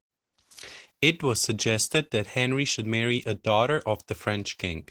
It was suggested that Henry should marry a daughter of the French king.